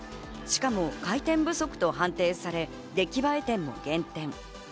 しかも回転不足と判定され、出来栄え点が減点。